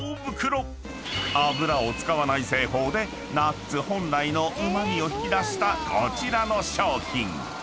［油を使わない製法でナッツ本来のうま味を引き出したこちらの商品］